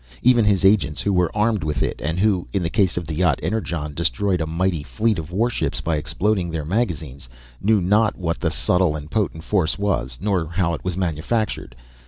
Even his agents, who were armed with it, and who, in the case of the yacht Energon, destroyed a mighty fleet of war ships by exploding their magazines, knew not what the subtle and potent force was, nor how it was manufactured.